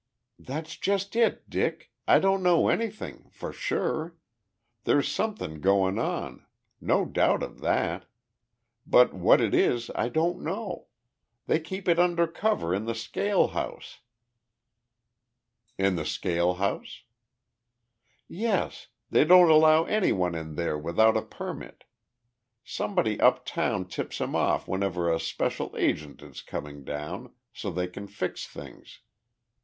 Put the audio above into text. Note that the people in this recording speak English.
"That's just it, Dick. I don't know anything for sure. There's something goin' on. No doubt of that. But what it is I don't know. They keep it under cover in the scale house." "In the scale house?" "Yes; they don't allow anyone in there without a permit. Somebody uptown tips 'em off whenever a special agent is coming down, so they can fix things.